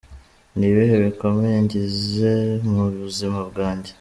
Ni ibihe bikomeye ngize mu buzima bwanjye.